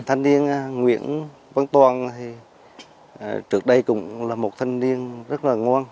thân niên nguyễn văn toàn trước đây cũng là một thân niên rất là ngon